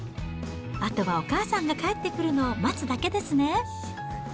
あとはお母さんが帰ってくるのを待つだけですね。